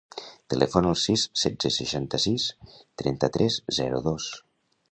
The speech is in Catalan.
Telefona al sis, setze, seixanta-sis, trenta-tres, zero, dos.